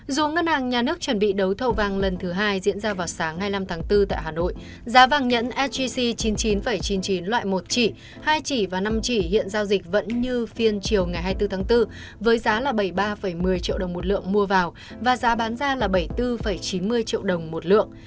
dù ngân hàng nhà nước chuẩn bị đấu thầu vàng lần thứ hai diễn ra vào sáng ngày năm tháng bốn tại hà nội giá vàng nhẫn sgc chín mươi chín chín mươi chín loại một chỉ hai chỉ và năm chỉ hiện giao dịch vẫn như phiên chiều ngày hai mươi bốn tháng bốn với giá là bảy mươi ba một mươi triệu đồng một lượng mua vào và giá bán ra là bảy mươi bốn chín mươi triệu đồng một lượng